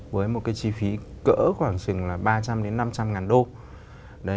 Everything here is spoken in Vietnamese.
với một chi phí cỡ khoảng ba trăm linh đến năm trăm linh ngàn đô